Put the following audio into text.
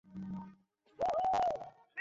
তোমাকে আশীর্বাদ হিসেবে পাঠানো হয়েছে।